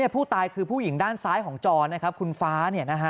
ผู้ตายคือผู้หญิงด้านซ้ายของจอนะครับคุณฟ้า